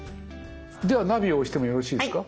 ではナビを押してもよろしいですか？